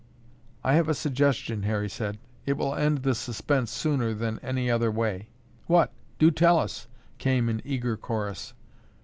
"I have a suggestion," Harry said. "It will end the suspense sooner than any other way." "What? Do tell us!" came in eager chorus.